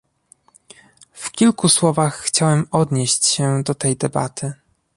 W kilku słowach chciałem odnieść się do tej debaty